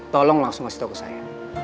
tolong langsung kasih tahu ke saya